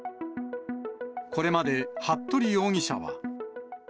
これまで服部容疑者は。